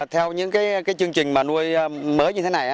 theo những chương trình mà nuôi mới như thế này